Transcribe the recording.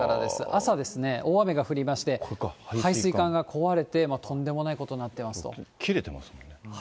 朝ですね、大雨が降りまして、配水管が壊れて、とんでもないことになってま切れてますもんね。